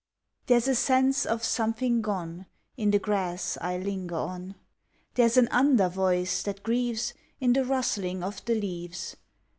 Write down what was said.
There's a sense of something gone In the grass I linger on. There's an under voice that grieves In the rustling of the leaves.